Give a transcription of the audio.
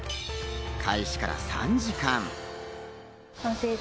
開始から３時間。